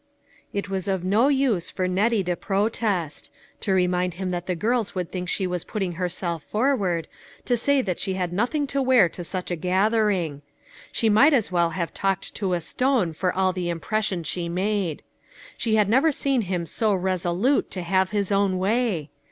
It was of no use for Nettie to protest ; to remind him that the girls would think she was putting herself forward, to say that she had nothing to wear to such a gathering. She might as well have talked to a stone for all the impres sion she made. She had never seen him so reso lute to have his own way.